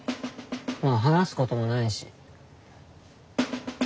まあ話すこともないし。